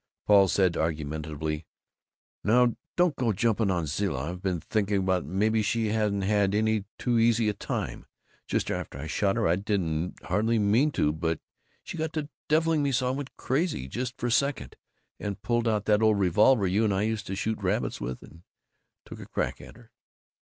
Paul said argumentatively, "Now, don't go jumping on Zilla. I've been thinking; maybe she hasn't had any too easy a time. Just after I shot her I didn't hardly mean to, but she got to deviling me so I went crazy, just for a second, and pulled out that old revolver you and I used to shoot rabbits with, and took a crack at her.